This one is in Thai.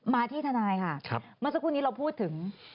มาที่ถนัยมาสักครู่นี้เราพูดถึง